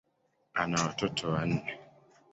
Ana watoto wanne.